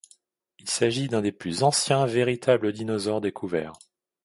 Il s'agit d'un des plus anciens véritables dinosaures découverts.